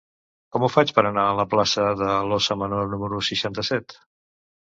Com ho faig per anar a la plaça de l'Óssa Menor número seixanta-set?